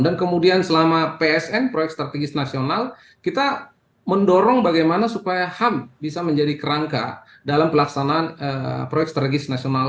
dan kemudian selama psn proyek strategis nasional kita mendorong bagaimana supaya ham bisa menjadi kerangka dalam pelaksanaan proyek strategis nasional